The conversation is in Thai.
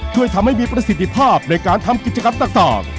ช่วยทำให้มีประสิทธิภาพในการทำกิจกรรมต่าง